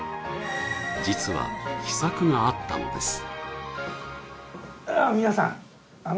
実は秘策があったのです